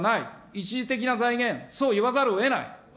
一時的な財源、そう言わざるをえない。